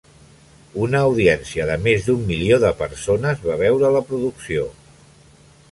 Una audiència de més d'un milió de persones va veure la producció.